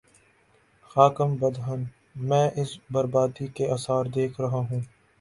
خاکم بدہن، میں اس بر بادی کے آثار دیکھ رہا ہوں۔